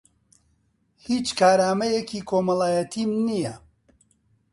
هیچ کارامەیییەکی کۆمەڵایەتیم نییە.